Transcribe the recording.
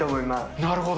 なるほど。